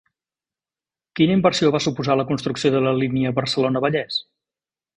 Quina inversió va suposar la construcció de la Línia Barcelona-Vallès?